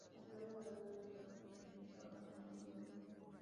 Natural de Aranda de Duero, pertenecía a una familia ilustre.